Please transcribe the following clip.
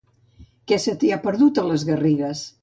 Què se t'hi ha perdut, a les Garrigues?